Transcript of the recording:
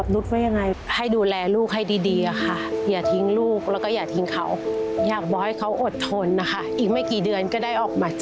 ตำแหน่งที่๒